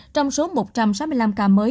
trong số một trăm sáu mươi năm ca mới